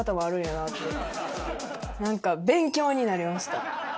なんか、勉強になりました。